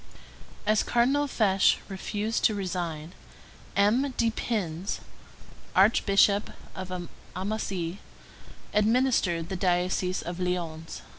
As Cardinal Fesch refused to resign, M. de Pins, Archbishop of Amasie, administered the diocese of Lyons.